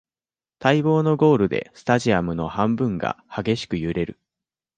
待望のゴールでスタジアムの半分が激しく揺れる